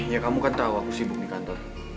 ya kamu kan tahu aku sibuk di kantor